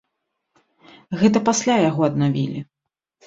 Гэта пасля яго аднавілі.